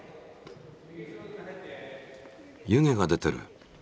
湯気が出てる。